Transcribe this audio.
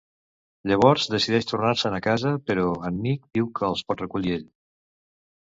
Llavors decideix tornar-se'n a casa, però en Nick diu que els pot recollir ell.